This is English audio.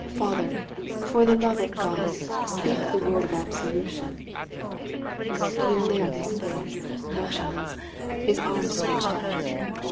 Father, for the love of God, speak the word of absolution." Pierre lay on his face, motionless, his arms stretched out.